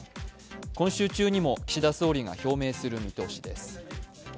今週中にも岸田総理が表明する見通しです。